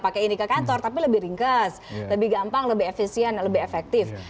pakai ini ke kantor tapi lebih ringkas lebih gampang lebih efisien lebih efektif